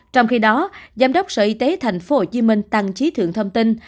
trong khi đó giám đốc sở y tế thành phố hồ chí minh tăng trí thượng thông tin